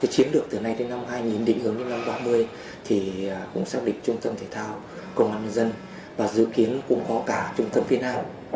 chiến được từ nay đến năm hai nghìn đến hướng năm hai nghìn ba mươi cũng xác định trung tâm thể thao công an nhân dân và dự kiến cũng có cả trung tâm phi nam